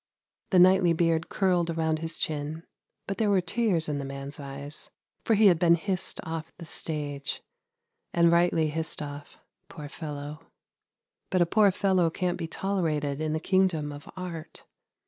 The knightly beard curled around his chin, but there were tears in the man's eyes, for he had been hissed off the stage, and rightly hissed off. Poor fellow! But a ' poor fellow ' can't be tolerated in the Kingdom of Art.